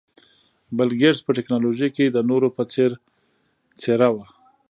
بل ګېټس په ټکنالوژۍ کې د نورو په څېر څېره وه.